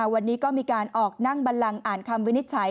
วันนี้ก็มีการออกนั่งบันลังอ่านคำวินิจฉัย